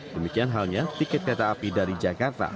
demikian halnya tiket kereta api dari jakarta